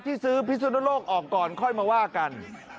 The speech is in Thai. ที่ซื้อพิสุนโลกออกก่อนค่อยมาว่ากัน